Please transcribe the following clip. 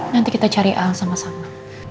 nanti kita cari a sama sama